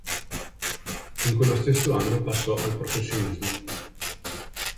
In quello stesso anno passò al professionismo.